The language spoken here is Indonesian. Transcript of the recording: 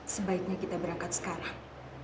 sebaiknya kita berangkat sekarang